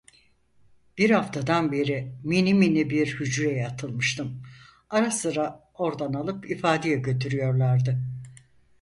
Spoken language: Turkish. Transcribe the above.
Bir haftadan beri minimini bir hücreye atılmıştım, ara sıra ordan alıp ifadeye götürüyorlardı.